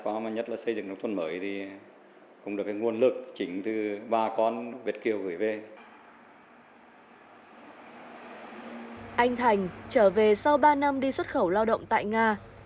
anh thành trở về sau ba năm đi xuất khẩu lao động tại nga